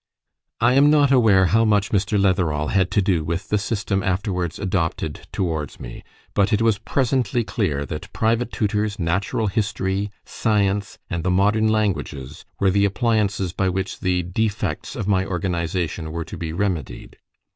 I am not aware how much Mr. Letherall had to do with the system afterwards adopted towards me, but it was presently clear that private tutors, natural history, science, and the modern languages, were the appliances by which the defects of my organization were to be remedied.